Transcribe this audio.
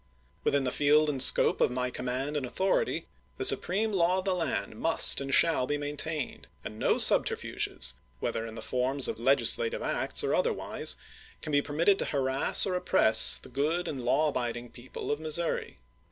.. Within the field and scope of my command and authority the supreme law of the land must and shall be maintained, and no subterfuges, whether in the forms of legislative acts or otherwise, can be permitted to harass or oppress the good and law abiding people of Missouri.